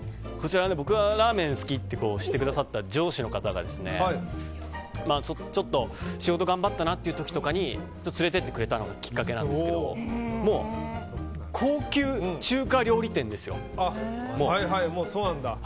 僕がラーメン好きって知ってくださった上司の方が仕事頑張ったなという時に連れていってくれたのがきっかけなんですけどもう高級中華料理店ですよ。